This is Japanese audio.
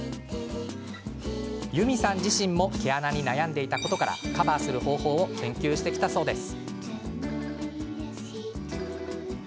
ｙｕｍｉさん自身も毛穴に悩んでいたことからカバーする方法を研究してきたそうです。